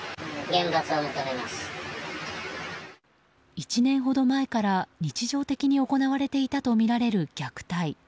１年ほど前から日常的に行われていたとみられる虐待。